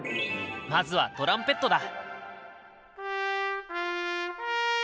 まずはトランペットだ！